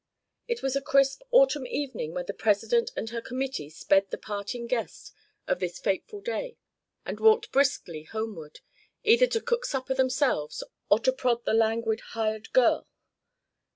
It was a crisp autumn evening when the President and her committee sped the parting guest of this fateful day and walked briskly homeward, either to cook supper themselves or to prod the languid "hired girl."